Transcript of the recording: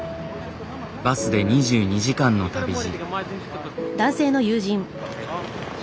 バスで２２時間の旅路。